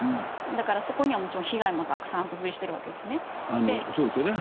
だから、そこには被害もたくさん不随しているわけですね。